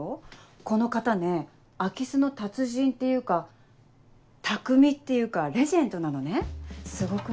この方ね空き巣の達人っていうか匠っていうかレジェンドなのねすごくない？